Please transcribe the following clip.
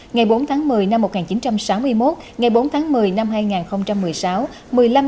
ngày bốn tháng một mươi năm một nghìn chín trăm sáu mươi một ngày bốn tháng một mươi năm hai nghìn một mươi sáu